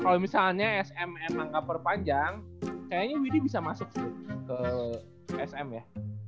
kalau misalnya esm emang ga perpanjang kayaknya widy bisa masuk ke esm ya